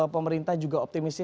pemerintah juga optimis